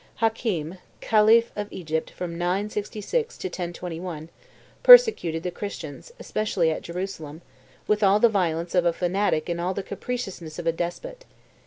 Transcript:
Hakem, khalif of Egypt from 996 to 1021, persecuted the Christians, especially at Jerusalem, with all the violence of a fanatic and all the capriciousness of a despot.